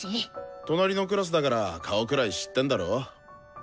隣のクラスだから顔くらい知ってんだろ？